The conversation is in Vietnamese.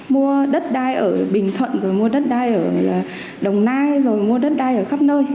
mua đất đai ở bình thuận rồi mua đất đai ở đồng nai rồi mua đất đai ở khắp nơi